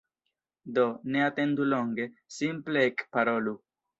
Do, ne atendu longe, simple Ekparolu!